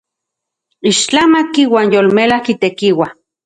¡Ixtlamatki uan yolmelajki tekiua!